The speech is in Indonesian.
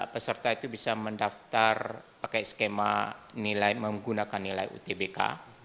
peserta itu bisa mendaftar pakai skema nilai menggunakan nilai utbk